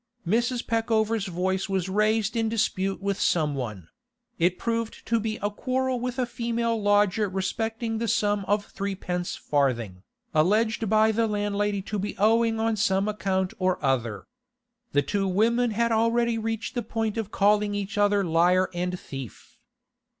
Mrs. Peckover's voice was raised in dispute with some one; it proved to be a quarrel with a female lodger respecting the sum of threepence farthing, alleged by the landlady to be owing on some account or other. The two women had already reached the point of calling each other liar and thief.